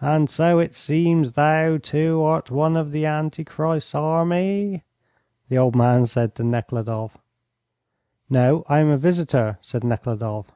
"And so it seems thou, too, art one of Antichrist's army?" the old man said to Nekhludoff. "No, I am a visitor," said Nekhludoff.